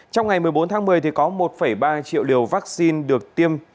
trong ngày một mươi bốn tháng một mươi có một ba triệu liều vaccine được tiêm